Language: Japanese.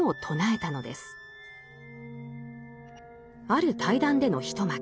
ある対談での一幕。